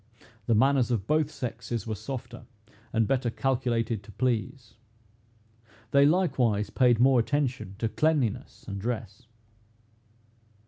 The manners of both sexes were softer, and better calculated to please. They likewise paid more attention to cleanliness and dress.